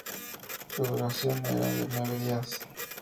Su duración era de nueve días.